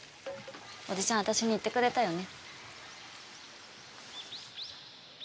おじちゃん私に言ってくれたよね。